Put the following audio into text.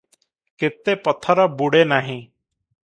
କେତେ ପଥର ବୁଡ଼େ ନାହିଁ ।